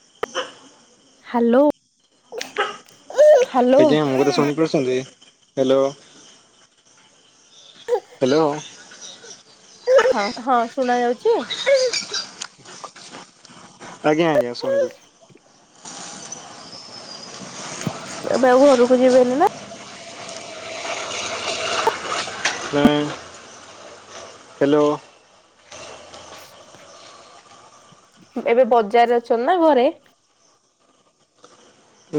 ହ [inaudible] hello hello ଆଜ୍ଞା ମୋ କଥା ଶୁଣିପାରୁଛନ୍ତି? ହ୍ୟାଲୋ ହ୍ୟାଲୋ ହ ହଁ ଶୁଣା ଯାଉଛି? ଆଜ୍ଞା ଆଜ୍ଞା ଶୁଣି ଏବେ ଆଉ ଘରକୁ ଯିବେନି ନା? ହୁ ହ୍ୟାଲୋ [inaudible] ଏବେ ବଜାରରେ ଅଛନ୍ତି ନା ଘରେ?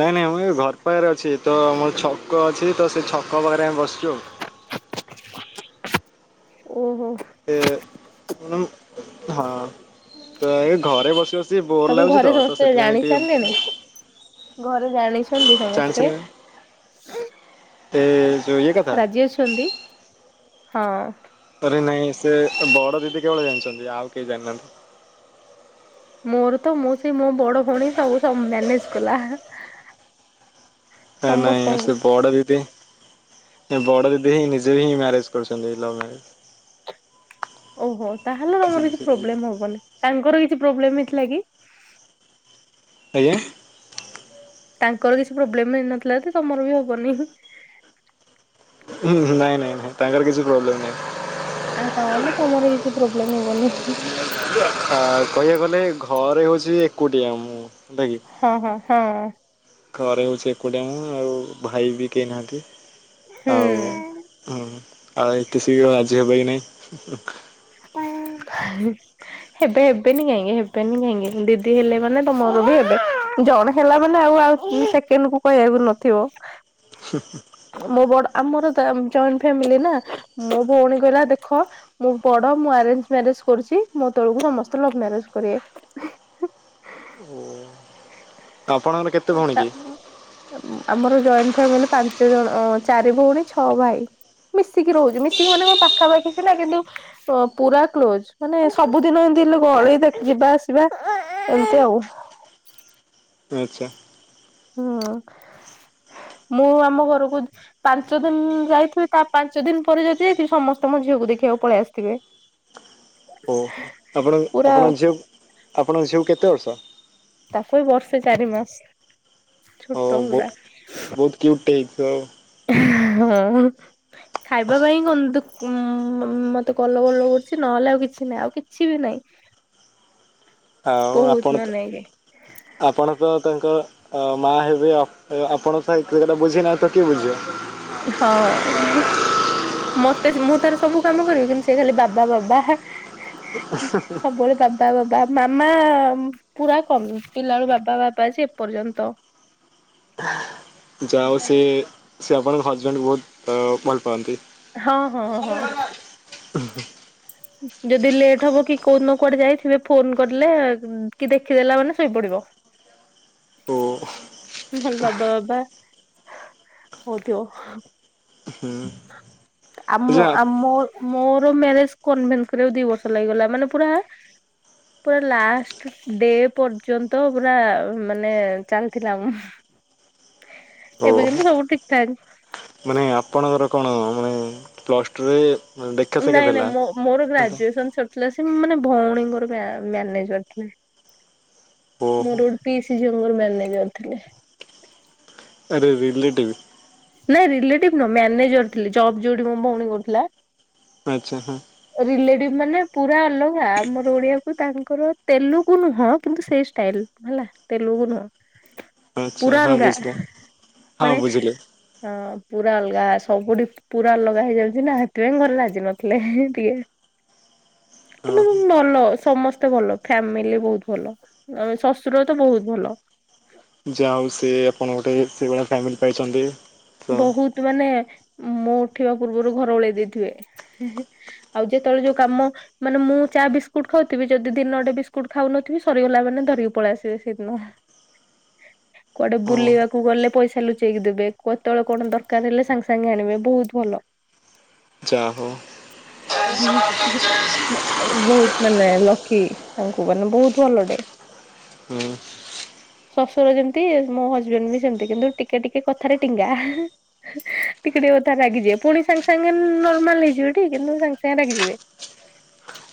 ନାଇଁ ନାଇଁ ମୁଁ ଏ ଘର ପାଖରେ ଅଛି ତ ମୋର ଛକ ଅଛି ତ ସେ ଛକ ପାଖରେ ଆମେ ବସିଛୁ! ଓହୋ! ତ [inaudible] ତ ଏ ଘରେ ବସ ଆସ [inaudible] ତମ ଘରେ ସମସ୍ତେ ଜାଣି ସାରିଲେନି? ଘରେ ଜାଣିଛନ୍ତି ଚାନ୍ସ ସମସ୍ତେ? ରେ ଏ ଯୋଉ ଇଏ କଥା ରାଜିଅଛନ୍ତି ହଁ! ନାଇଁ ସେ ବଡ ଦିଦି କେବଳ ଜାଣିଛନ୍ତି ଆଉ କେହି ଜାଣିନାହାନ୍ତି! ମୋର ତ ମୁଁ ସେଇ ମୋ ବଡ ଭଉଣୀ ସବୁ ସବୁ ମ୍ୟାନେଜ କଲା। ନାଇଁ ସମସ୍ତଙ୍କୁ ସେ ବଡ ଦିଦି ବଡ ଦିଦି ହିଁ ନିଜେ ବି ହିଁ ମ୍ୟାରେଜ କରୁଛନ୍ତି ଲଭ ମ୍ୟାରେଜ। ଓହୋ ତାହେଲେ ତମର କିଛି ପ୍ରୋବ୍ଲେମ ହବନି ତାଙ୍କର କିଛି ପ୍ରୋବେଲମ୍ ହେଇଥିଲା କି? ଆଜ୍ଞା? ତାଙ୍କର କିଛି ପ୍ରୋବ୍ଲେମ ହେଇନଥିଲା ତ ତମର ବି ହବନି! ନାଇଁ ନାଇଁ ନାଇଁ ତାଙ୍କର କିଛି ପ୍ରୋବ୍ଲେମ ନାଇଁ! ମୁଁ ବନି [inaudible] ଆଉ କହିବାକୁ ଗଲେ ଘରେ ହଉଛି ଏକୁଟିଆ ମୁଁ! ହେଲା କି ହଁ ହଁ ହଁ! ଘରେ ହଉଛି ଏକୁଟଆ ମୁ ଆଉ ଭାଇ ବି କେହି ନାହାନ୍ତି! ଆଉ ହୁଁ। ହଁ ଆଉ ଏତେ ଶିଘ୍ର ରାଜି ହବ କି ନାଇଁ! ହେବେ ହେବେନି କାହିଁକି ହେବେନି କାହିଁକି ଦିଦି ହେଲେ ମାନେ ତମ ଜଣେ ହେଲା ମାନେ ଆଉ ଆଉ ସେକେଣ୍ଡ କୁ କହିବାକୁ ନଥିବ! ମୋ ବଡ ଆମର ଜଏଣ୍ଟ ଫ୍ୟାମିଲି ନା ମୋ ଭଉଣୀ କହିଲା ଦେଖ ମୁଁ ବଡ ମୁଁ ଆରେଞ୍ଜ ମ୍ୟାରେଜ କରୁଛି ମୋ ତଳକୁ ସମସ୍ତେ ଲଭ ମ୍ୟାରେଜ କରିବେ! ହଁ! [inaudible] ଆମର ଜଏଣ୍ଟ ଫ୍ୟାମିଲି ପାଞ୍ଚ ଜଣ ଚାରି ଭଉଣୀ ଛଅ ଭାଇ। ମିଶିକି ରହୁଚୁ ମିଶିକି ମାନେ କଣ ପାଖାପାଖି ଥିଲା କିନ୍ତୁ ଅ ପୁରା କ୍ଲୋଜ ମାନେ ସବୁଦିନ ଏମ୍ ତି ଲୋକ ଗଳି ରେ ଯିବା ଆସିବା ଏମିତି ଆଉ। ଆଚ୍ଛା। ହଁ। ମୁଁ ଆମ ଘରକୁ ପାଞ୍ଚ ଦିନ ଯାଇଥିବି ତା ପାଞ୍ଚ ଦିନ ପରେ ଯଦି ଯାଇଥିବି ସମସ୍ତେ ମୋ ଝିଅ ଝିଅ କୁ ଦେଖିବାକୁ ପଳେଇ ଆସିଥିବେ। ଓ ଆପଣ ପୁରା ଆପଣଙ୍କ ଝିଅ ଆପଣଙ୍କ ଝିଅକୁ କେତେ ବର୍ଷ? ତାକୁ ଏଇ ବର୍ଷେ ଚାରି ମାସ ଓ ଛୋଟ ପୁରା। ବହୁତ କ୍ୟୁଟ୍ ଟେ ହେଇଥିବ? ହଁ। ଖାଇବା ପାଇଁ କିନ୍ତୁ ଉଁ ମତେ କଲ ବଲ କରୁଚି ନହେଲେ ଆଉ କିଛି ନାଇଁ ଆଉ କିଛି ବି ନାଇଁ। ଆଉ ଆପଣ ତ ଇଏ ଆପଣଙ୍କ ତାଙ୍କ ଆ ମାଆ ହେବେ ଆ-ଆପଣ ଖାଇଥିବେ ସେଟା ବୁଝିବେନି ଆଉ ତ କିଏ ବୁଝିବ? ହଁ ମସ୍ ବାସ୍ ମୁଁ ତାର ସବୁ କାମ କରିବି କିନ୍ତୁ ସେ ଖାଲି ବାବା ବାବା ଏଁ ସବୁବେଳେ ବାବା ବାବା ମାମା ପୁରା କମ ପିଲାବେଳୁ ବାବା ବାବା ଅଛି ଏପର୍ଯ୍ୟନ୍ତ। ହ ଯାହା ହଉ ସିଏ ସିଏ ଆପଣଙ୍କ ହଜବେଣ୍ଡକୁ ବହୁତ ଅ ଭଲ ପାଆନ୍ତି। ହଁ ହଁ ହଁ। ଉଁ ହ। ଯଦି ଲେଟ୍ ହବ କି କୋଉ ଦିନ କୁଆଡେ ଯାଇଥିବେ ଫୋନ କରିଦେଲେ ଉଁ କି ଦେଖିଦେଲା ମାନେ ଶୋଇପଡିବ। ଓ ନ ହେଲେ ବାବା ବାବା ହଉଥିବ। ହୁଁ ଆମ ଆଚ୍ଛା ଆମ ମୋର ମ୍ୟାରେଜ କନଭେନ୍ସ କରିବାକୁ ଦି ବର୍ଷ ଲାଗିଗଲା। ମାନେ ପୁରା ପୁରା ଲାଷ୍ଟ ଡେ ପର୍ଯ୍ୟନ୍ତ ପୁରା ମାନେ ଚାଲିଥିଲା ମୁ ହ ଏବେ କିନ୍ତୁ ସବୁ ଠିକ ଠାକ୍। ମାନେ ଆପଣଙ୍କର କଣ ମାନେ ପ୍ଲସ୍ ଟୁ ରେ ନାଇଁ ନାଇଁ ମୋ-ମୋର ଗ୍ରାଜୁଏସନ ସରିଥିଲା ସେ ମାନେ ଭଉଣୀଙ୍କର ମ୍ୟା-ମ୍ୟାନେଜର ଥିଲେ। ଓହୋ ମୋର ଗୋଟେ ପୀସି ସେ ଝିଅଙ୍କର ମ୍ୟାନେଜର ଥିଲେ। ଆରେ ରିଲେଟିଭି? ନାଇଁ ରିଲେଟିଭ ନୁଅଁ ମ୍ୟାନେଜର ଥିଲେ ଜବ ଯୋଉଠି ମୋ ଭଉଣୀ କରୁଥିଲା। ଆଚ୍ଛା ହଁ ରିଲେଟିଭ ମାନେ ପୁରା ଅଲଗା ଆମର ଓଡିଆକୁ ତାଙ୍କର ତେଲୁଗୁ ନୁହଁ କିନ୍ତୁ ସେଇ ଷ୍ଟାଇଲ ହେଲା। ତେଲୁ ଗୁ ନୁହଁ। ଆଚ୍ଛା ପୁରା ହଁ ଅଲଗା ବୁଝିଲ ହଁ ମାନେ ବୁଝିଲି। ହଁ ପୁରା ଅଲଗା ସବୁଠି ପୁରା ଅଲଗା ହେଇଯାଉଚି ନା। ସେଥିପାଇଁ ଘରେ ରାଜି ନଥିଲେ ଟିକେ। ହଁ କିନ୍ତୁ ମ ମ୍ ଭଲ ସମସ୍ତେ ଭଲ ଫ୍ୟାମିଲି ବହୁତ ଭଲ ଆଏ ଶ୍ୱଶୁର ତ ବହୁତ ଭଲ। ଯାହା ହଉ ସେଏ ଆପଣ ଗୋଟେ ସେଭଳିଆ ଫ୍ୟାମିଲି ପାଇଚନ୍ତି। ବହୁତ ମାନେ ମୋ ଉଠିବା ପୂର୍ବରୁ ଘର ଓଳେଇ ଦେଇଥିବେ। ହେ ହେ ଆଉ ଯେତେବେଳେ ଯୋଉ କାମ ମାନେ ମୁଁ ଚା ଚା ବିସ୍କୁଟ ଖାଉଥିବି ଯଦି ଦିନ ଟେ ବିସ୍କୁଟ ଖାଉନଥିବି ସରିଗଲା ମାନେ ଧରିକ ପଳେଇ ଆସିବେ ସେଇଦିନ। ହ କୁଆଡେ ବୁଲିବାକୁ ଗଲେ ପଇସା ଲୁଚେଇକି ଦେବେ। କ୍ଵତେବେଳେ କଣ ଦରକାର ହେଲେ ସାଙ୍ଗେ ସାଙ୍ଗେ ଆଣିବେ ବହୁତ ଭଲ। ଯାହୋଉ ହୁଁ ହ। ବହୁତ ମାନେ ଲକି ତାଙ୍କୁ ମାନେ ବହୁତ ଭଲଟେ ହୁଁ। ଶ୍ୱଶୁର ଯେମିତି ମୋ ହଜବେଣ୍ଡ ବି ସେମିତି କିନ୍ତୁ ଟିକେ ଟିକେ କଥା ଥାରେ ଟିଙ୍ଗା ହା ହା ଟିକେ ଟିକେ କଥାରେ ରାଗିଯିବେ ପୁଣି ସାଙ୍ଗେ ସାଙ୍ଗେ ନର୍ମାଲ ହେଇଯିବେ କିନ୍ତୁ ସାଙ୍ଗ ସେଙ୍ଗେ ରାଗି ଯିବେ।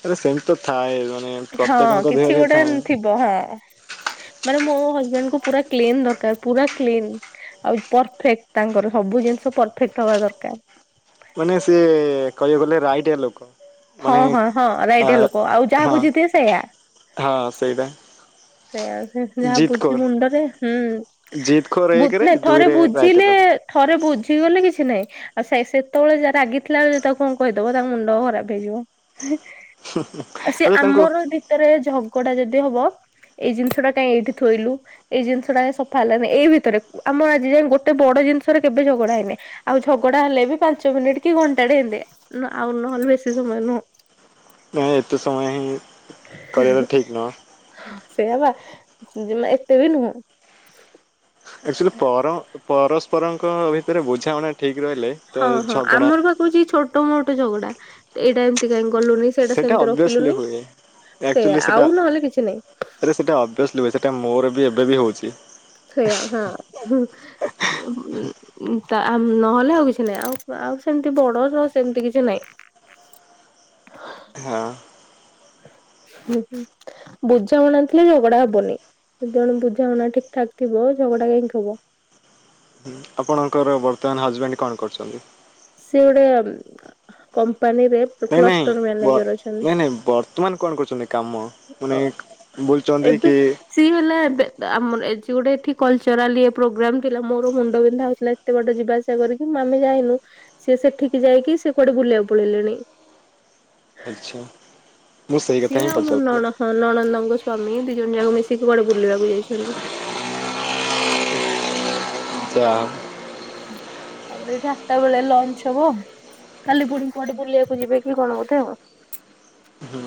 ଆରେ ସେମିତି ତ ଥାଏ। ମାନେ ହଁ ପ୍ରତ୍ୟେକଙ୍କ କିଛି ଦେହରେ ହି ଗୋଟେ ଥାଏ। ଥିବ ହଁ। ହଁ ମାନେ ମୋ ହଜବେଣ୍ଡ କୁ ପୁରା କ୍ଲିନ ଦରକାର ପୁରା କ୍ଲିନ। ଆଉ ପରଫେକ୍ଟ ତାଙ୍କର ସବୁ ଜିନ ସବୁ ପରଫେକ୍ଟ ହବା ଦରକାର। ମାନେ ସେ କହିବାକୁ ଗଲେ ରାଇଟିଆ ଲୋକ। ମାନେ ହଁ ହଁ ହଁ ଅ ରାଇଟିଆ ଲୋକ ଆଉ ଯାହା ହ ବୁଝିଥିବେ ସେଇଆ। ହଁ ସେଇଟା ସେଇଆ ସେ ଯାହା ଜିତ୍ ବୁଝି ଖୋର ମୁଣ୍ଡରେ ହୁଁ ଜିତ୍ ଖୋର ବୁ ଏକରେ ନାଇଁ ଥରେ ଦୁଇରେ ରାଇଟିଆ ବୁଝିଲେ ଲୋକ ଥରେ ବୁଝିଗଲେ କିଛି ନାହିଁ। ଆଉ ସେ ସେତେବେଳେ ଯାହା ରାଗିଥିଲା ବେଳେ ତାକୁ କଣ କହିଦବ ତାଙ୍କ ମୁଣ୍ଡ ଖରାପ ହେଇଯିବ। ଆଉ ସିଏ ଆରେ ତାଙ୍କୁ ଆମର ଭିତେରେ ଝଗଡା ଯଦି ହବ ଏଇ ଜିନିଷ ଟା କାଇଁ ଏଇଠି ଥୋଇଲୁ ଏଇ ଜିନିଷ ଟାଁ କାଇଁ ସଫା ହେଲାନି। ଏଇ ଭିତରେ ଆମ ଆଜି ଯାଏଁ ଗୋଟେ ବଡ ଜିନିଷ ରେ କେବେ ଝଗଡା ହେଇନି। ଆଉ ଝଗଡା ହେଲେ ବି ପାଞ୍ଚ ମିନିଟ୍ କି ଘଣ୍ଟାଟେ ଏନ୍ତି ଆଉ ନହେଲେ ବେଶି ସି ସମୟ ନୁହଁ। ନାଇଁ ଏତେ ସମୟ ହିଁ କରିବାଟା ଠିକ୍ ନୁହଁ। ସେୟା ବା ମା ଏତେ ବି ନୁହଁ। ଆକ୍ଚୁଆଲି ପର ପରସ୍ପରଙ୍କ ଭିତରେ ବୁଝାମଣା ଠିକ୍ ରହିଲେ ତ ହଁ ହଁ ଝଗଡ଼ା ଆମର ବା କହୁଚି ଛୋଟ ମୋଟ ଝଗଡା। ଏଇଟା ଏମିତି କାଇଁ କ କଲୁନି ସେଇଟା ସେମତି ରଖିଲୁନି। ସେଇଆ ଆକ୍ଚୁଲି ଆଉ ସେଟା ନହେଲେ କିଛି ନାହିଁ। ଆରେ ସେଟା ଅଭ୍ୟାସ୍ଲି ହୁଏ। ସେଟା ମୋର ବି ଏବେ ବି ହଉଛି। ସେୟା ହଁ ହୁଁ। ଉଁ ଉଁ ତା ନହେଲେ ଆଉ କିଛି ନାହିଁ। ଆଉ ଆଉ ସେମତି ବଡର ସେମତି କିଛି ନାହିଁ। ହଁ। ହୁଁ ହୁଁ ବୁଝାମଣା ଥିଲେ ଝଗଡା ହବନି। ଦି ଜଣ ବୁଝାମଣା ଠିକ୍ ଠାକ୍ ଥିବ ଝଗଡା କାହିଁକି ହବ। ଆପଣଙ୍କର ବର୍ତ୍ତମାନ ହଜବେଣ୍ଡ କଣ କରୁଛନ୍ତି? ସେ ଗୋଟେ କମ୍ ମ୍ପାନୀରେ ନାଇଁ ନାଇଁ କ୍ଲଷ୍ଟର ବ ମ୍ୟାନେଜର ଅଛନ୍ତି। ନାଇଁ ନାଇଁ ବର୍ତ୍ତମାନ କଣ କରୁଛନ୍ତି କାମ? ମାନେ ଓ ବୁଲୁଛନ୍ତି ଏବେ କି ସିଏ ହେଲା ଏବେ ଆମର ଏଜି ଗୋଟେ ଏଠି କଲଚରାଲି ପ୍ରୋଗ୍ରାମ ଥିଲା ମୋର ମୁଣ୍ଡ ବିନ୍ଧା ହଉଥିଲା ଏତେ ବଡ ଯିବା ଆସିବା କରିକି ଆମେ ଯାଇନୁ ସିଏ ସେଠିକି ଯାଇକି ସେ କୁଆଡେ ବୁଲିବାକୁ ପଳେଇଲେଣି। ଆଚ୍ଛା। ମୁଁ ସେଇ କଥା ସିଏ ହିଁ ଆଉ ମୁଁ ପଚାରୁଥିଲି ନଣ ହଁ ନଣନ୍ଦଙ୍କ ସ୍ଵାମୀ ଦି ଜଣ ଯାକ ମିଶିକି କୁଆଡେ ବୁଲିବାକୁ ଯାଇଛନ୍ତି। ଯାହା ହୋଉ। ତାପରେ ଏଇଠି ଆଠଟା ବେଳେ ଲଞ୍ଚ ହବ। କାଲି ଫୁଣି କୁଆଡେ ବୁଲିବାକୁ ଯିବେ କି କଣ ବୋଧେ ଆଉ। ହୁଁ।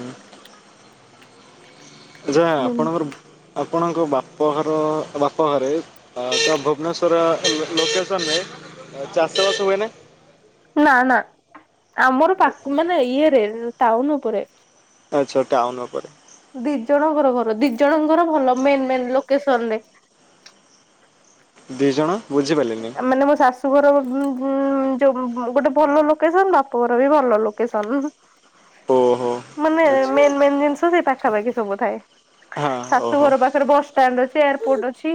ଆଚ୍ଛା ଆପଣଙ୍କର ଆପ ଆପଣଙ୍କ ବାପଘର ବାପଘରେ ତ ଭୁବନେଶ୍ୱର ଲୋକ୍ ଲୋକେସନରେ ଆଉ ଚାଷବାସ ହୁଏ ନା? ନା ନା ଆମର ପାକୁ ମାନେ ଇଏରେ ଟାଉନୁ ଉପରେ। ଆଚ୍ଛା ଟାଉନ୍ ଉପରେ। ଦି ଜଣଙ୍କର ଘର ଦି ଜଣଙ୍କର ଭଲ ମେନ୍ ମେନ୍ ଲୋକେସନ୍ ରେ। ଦି ଜଣ? ବୁଝିପାରିଲିନି ଆ ମାନେ ମୋ ଶାଶୁ ଘର ବ ଉଁ ଗୁଁ ଯୋଉ ଗୋଟେ ଭଲ ଲୋକେସନ୍ ବାପ ଘର ବି ଭଲ ଲୋକେସନ୍ ଉଁ ହୁଁ। ଓ ହୋ। ମାନେ ମେନ୍ ମେନ୍ ଜିନ୍ ଷ ସେଇ ପାଖାପାଖି ସବୁ ଥାଏ। ହଁ ଓହୋ ଶାଶୁଘର ପାଖରେ ବସଷ୍ଟାଣ୍ଡ୍ ଅଛି, ଏୟାରପୋର୍ଟ୍ ଅଛି,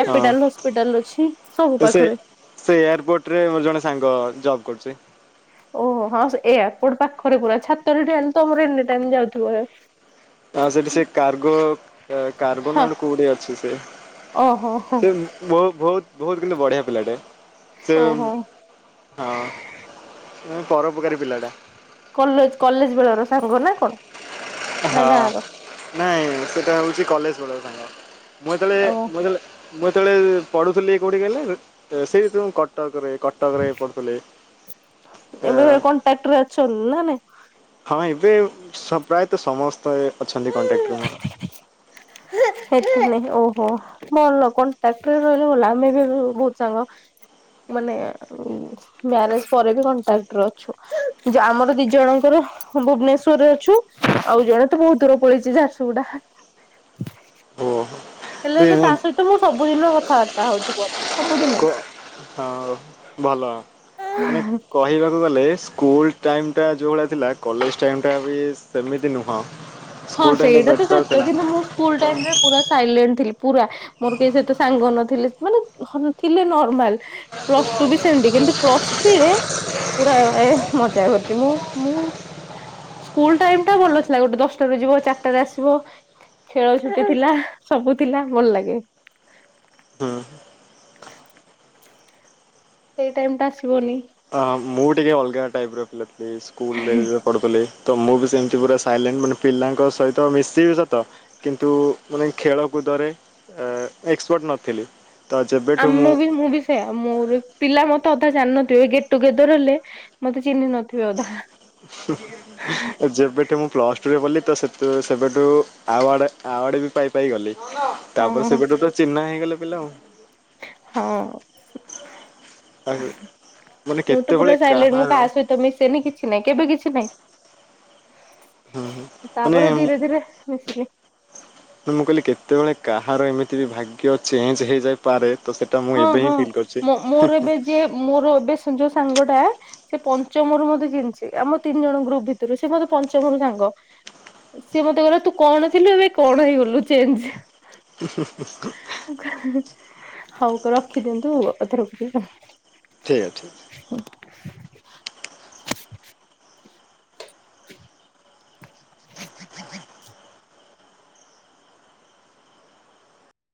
କ୍ୟାପିଟାଲ୍ ହସ ପିଟାଲ୍ ଅଛି। ସବୁ ଏସେ ପାଖରେ। ସେ ଏୟାରପୋର୍ଟ୍ ରେ ମୋର ଜଣେ ସାଙ୍ଗ ଜବ୍ କରୁଚି। ଓହୋ ହଁ ସେ ଏୟାରପୋର୍ଟ୍ ପାଖରେ ପୁରା ଛାତରେ ଠିଆ ହେଲେ ଆମର ଏନି ଟାଇମ୍ ଯାଉଥି ବହେ। ହଁ ସେଇଠି ସେ କାର୍ଗୋ ହଁ କାର୍ବୋନେଟ୍ କୋଉଡ଼ି ଅଛି ସେ ଓହୋ ହଁ ବୋ ବୋହୁତ୍ ବୋହୁତ୍ କିନ୍ତୁ ବଢ଼ିଆ ପିଲାଟେ ସେ ଓହୋ [unintelligible] ଆ ଉଁ ପରୋପକାରୀ ପିଲାଟା। କଲେଜ୍ ବେଳ ର ସାଙ୍ଗ ନା କଣ? ନା ହଁ ଗାଁର ନାଇଁ ସେଟା ହଉଛି କଲେଜ୍ ବେଳର ସାଙ୍ଗ। ମୁଁ ଯେତେବେଳେ ଓ ମୁଁ ଯେତେବେଳେ ମୁଁ ଯେତବେଳେ ପଢ଼ୁଥିଲି କୋଉଠି କହିଲ ସେଇ [unintelligible] କ ଟକ୍ ରେ କଟକ୍ ରେ ପଢ଼ୁଥିଲେ ଆ ଏବେ କଣ୍ଟାକ୍ଟରେ ଅଛନ୍ତି ନା ହଁ ଏବେ ସ ପ୍ରାୟତ ସମସ୍ ପ୍ରାଏ ଅଛନ୍ତି ନାଇଁ? କଣ୍ଟାକ୍ଟ୍ ରେ ମୋର। ନେହି ଓହୋ ଭଲ କଣ୍ଟାକ୍ଟ୍ ରେ ରହିଲେ ଭଲ ଆମେ ବି ବୋହୁତ୍ ସାଙ୍ଗ। ମାନେ ମ୍ୟାରେଜ୍ ପରେ ବି କଣ୍ଟ୍ରାକ୍ଟ୍ ରେ ଅଛୁ ଯେ ଆମର ଦି ଜଣଙ୍କର ହଁ ଭୁବନେଶ୍ଵରରେ ଅଛୁ ଆଉ ଜଣେ ତ ବୋହୁତ୍ ତରେ ପଳେଇଛି ଝାରସୁ ଗୁଡ଼ା ହେଲେ ହେଲେ ତା ଓହୋ ସହିତ ମୁଁ ସବୁ ବୁଦିନ କଥାବାର୍ତ୍ତା ହଉଥିବ ସବୁଦିନ? ହଁ ଭଲ ମାନେ କହିବାକୁ ଗଲେ ସ୍ କୁଲ୍ ଟାଇମ୍ ଟା ଯୋଉ ଭଳିଆ ଥିଲା କଲେଜ୍ ଟାଇମ୍ ଟା ବି ସେମିତି ନୁହଁ। ହଁ ସ୍କୁଲ ଟାଇମଟା ସେଇଟା ତ ବେଟର ସତ ଥିଲା କିନ୍ତୁ ମୁଁ ସ୍କୁଲ୍ ତ ଟାଇମ୍ ରେ ପୁରା ସାଇଲେଣ୍ଟ୍ ଥିଲି। ପୁରା ମୋର କେହି ସେତେ ସାଙ୍ଗ ନଥିଲେ ମାନେ ହନ୍ ଥିଲେ ନର୍ମାଲ୍ ପ୍ଲସ୍ ଟୁ ବି ସେମ୍ ତି ଗେ ଏମ୍ ତି ପ୍ଲସ୍ ଥ୍ରୀରେ ପୁରା ଏଓ-ଏଃ ମଜା କରୁଛି ମୁଁ ମୁଁ ସ୍କୁଲ୍ ଟାଇମ୍ ଟା ଭଲଥିଲା ଗୋଟେ ଦଶ୍ ତରେ ଯିବ ଚାର୍ ଟାରେ ଆସିବ ଖେ-ଖେଳ ଛୁଟି ଥିଲା ସବୁ ଥିଲା ଭଲ ଲାଗେ। ହୁଁ। ସେଇ ଟାଇମ୍ ଟା ଆସିବନି। ଅ ମୁଁ ଟିକେ ଅଲ୍ ଗା ଟାଇପ୍ ର ପିଲା ଥିଲି ସ୍କୁଲ୍ ରେ ଯେବେ ପଢ଼ୁଥିଲି। ତ ମୁଁ ବି ସେମିତି ପୁରା ସାଇଲେଣ୍ଟ୍ ମାନେ ପିଲାଙ୍କ ସହିତ ମିଶିବି ସତ କିନ୍ତୁ ମାନେ ଖେଳକୁ ଦରେ ଏକ୍ସପର୍ଟ ନଥିଲି। ତ ଆ ଯେବେଠୁ ମୁଁ ବି ମୁଁ ବି ସେଇଆ ମୁଁ ବି ପିଲା ମତେ ଅଧା ଜାଣିନଥିବେ ଗେଟ୍ ଟୁଗେଦର ହେଲେ ମତେ ଚିହ୍ନି ନଥିବେ ଅଧା। ଯେବେ ଠୁ ମୁଁ ପ୍ଲସ୍ ଟୁରେ ପଢ଼୍‌ଲି ତ ସେତେବେଳେ ସେବେଠୁ ଆୱାର୍ଡ଼େ ଆୱାର୍ଡ଼ ବି ପାଇ ପାଇ ଗଲି। ତାପରେ ହଁ ସେବେଠୁ ତ ଚିହ୍ନା ହେଇଗଲେ ପିଲା ଆଉ। ହଁ। ଆଉ। ମାନେ ମୁଁ ତ ପୁରା କେତେବେଳେ ସାଇଲେଣ୍ଟ୍ ମୁଁ କାହାର କାହା ସହିତ ମିଶେନି କିଛି ନାହିଁ। କେବେ କିଛି ନାହିଁ ମାନେ ତାପରେ ଧୀରେ ଧୀରେ ମିଶିଲି। ତ ମୁଁ କହିଲି କେତେବେଳେ କାହାର ଏମିତି ବି ଭାଗ୍ୟ ଚେଞ୍ଜ୍ ହେଇଯାଇପାରେ। ତ ସେଇଟା ମୁଁ ହଁ ଏବେ ହଁ ହିଁ ଫିଲ୍ କରୁଛି ମୋ-ମୋର ଏବେ ଯିଏ ମୋର ଏବେ ସନ୍ ଯୋଉ ସାଙ୍ଗ ଟା ସେ ପଞ୍ଚମରୁ ମତେ ଜାଣିଚି ଆମ ତିନି ଜଣ ଗ୍ରୁପ୍ ଭିତୁରୁ ସେ ମତେ ପଞ୍ଚମରୁ ସାଙ୍ଗ। ସିଏ ମତେ ଗଲା ତୁ କଣ ଥିଲୁ ଏବେ କଣ ହେଇଗଲୁ ଚେଞ୍ଚେ। ଉଁ ହୁଁ। ହଉ କ ରଖି ଦିଅନ୍ତୁ ଆଉ ଥରେ [unintelligible] ଠିକ୍ ଠିକ୍। [inaudible] [inaudible]